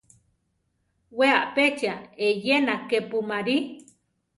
We apéchia eyéna kepu marí.